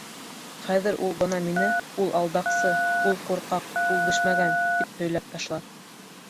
Хәҙер ул бына мине «ул алдаҡсы, ул ҡурҡаҡ, ул бешмәгән...» тип һөйләп ташлар...